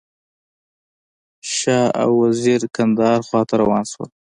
شاه او وزیر کندهار خواته روان شول.